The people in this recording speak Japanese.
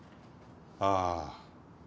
ああ。